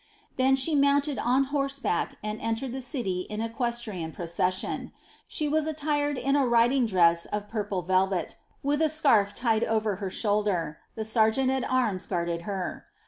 Then she mounted on horse back and entered the city in equestrian procession. She was attired in i ririing dress of purple velvet, with a scarf tied over her shoulder; the «erjeant« at arms guarded her.